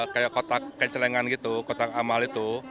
kayak kotak kayak celengan gitu kotak amal itu